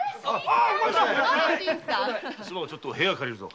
すまんがちょっと部屋を借りるぞ。